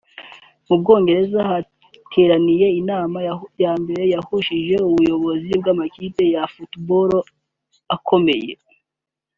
Mu Bwongereza hatiraniye inama ya mbere yahuje ubuyobozi bw’amakipe ya Football akomeye